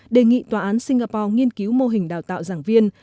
đề nghị tòa án singapore nghiên cứu mô hình đào tạo giảng viên